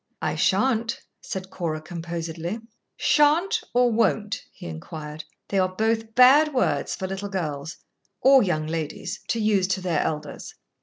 "I shan't," said Cora, composedly. "Shan't or won't?" he inquired. "They are both bad words for little girls or young ladies to use to their elders."